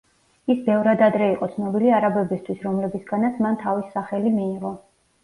ის ბევრად ადრე იყო ცნობილი არაბებისთვის, რომლებისგანაც მან თავის სახელი მიიღო.